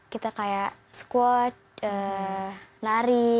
kita kayak squat lari